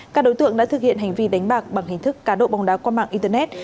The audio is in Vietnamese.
các đối tượng đã thực hiện hành vi đánh bạc bằng hình thức cá độ bóng đá qua mạng internet